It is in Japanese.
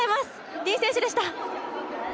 ディーン選手でした。